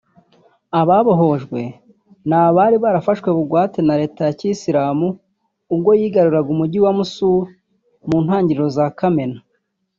Ababohojwe ni abari barafashwe bugwate na Leta ya Kiyisilamu ubwo yigaruriraga umugi wa Mosul mu ntangiriro za Kamena